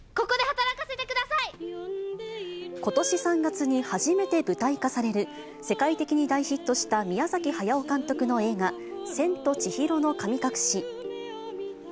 ことし３月に初めて舞台化される、世界的に大ヒットした宮崎駿監督の映画、千と千尋の神隠し。